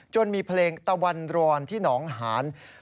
มีเพลงตะวันรอนที่หนองหาน